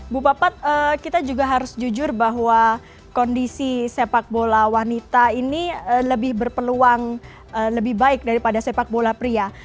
bu papat kita juga harus jujur bahwa kondisi sepak bola wanita ini lebih berpeluang lebih baik daripada sepak bola pria